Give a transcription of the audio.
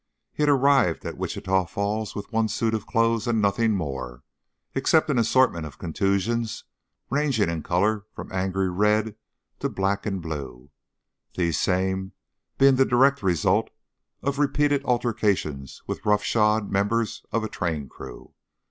He had arrived at Wichita Falls with one suit of clothes and nothing more, except an assortment of contusions ranging in color from angry red to black and blue, these same being the direct result of repeated altercations with roughshod members of a train crew.